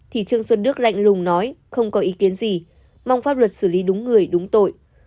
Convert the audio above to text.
thì trương xuân đức lạnh lùng nói không có ý kiến gì mong pháp luật xử lý đúng người đúng tội